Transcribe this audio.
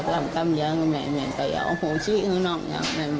ทำกรรมยังไงแต่อย่าเอาโหชิ้นของน้องอย่างนั้น